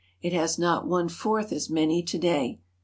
It has not one fourth as many to day.